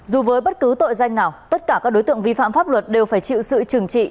dù với bất cứ tội danh nào tất cả các đối tượng vi phạm pháp luật đều phải chịu sự trừng trị